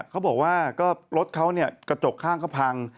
เขาบอกว่าก็รถเขากระจกข้างก็พัง